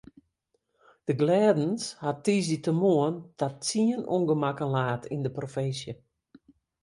De glêdens hat tiissdeitemoarn ta tsien ûngemakken laat yn de provinsje.